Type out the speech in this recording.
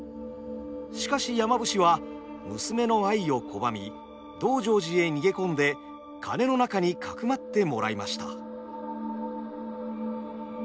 しかし山伏は娘の愛を拒み道成寺へ逃げ込んで鐘の中にかくまってもらいました。